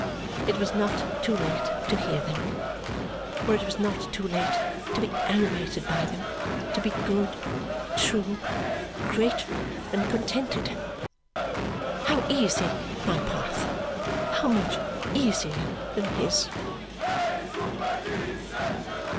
It was not too late to hear them, for it was not too late to be animated by them to be good, true, grateful, and contented. How easy my path, how much easier than his!